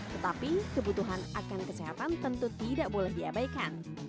tetapi kebutuhan akan kesehatan tentu tidak boleh diabaikan